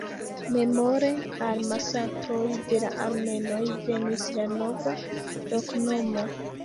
Memore al masakroj de la armenoj venis la nova loknomo.